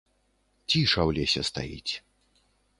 Ціша ў лесе стаіць.